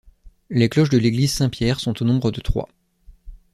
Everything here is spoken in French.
Les cloches de l’église Saint-Pierre sont au nombre de trois.